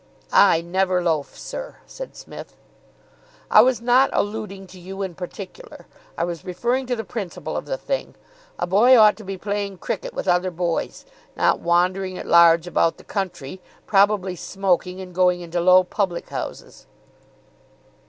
"I never loaf, sir," said Psmith. "I was not alluding to you in particular. I was referring to the principle of the thing. A boy ought to be playing cricket with other boys, not wandering at large about the country, probably smoking and going into low public houses."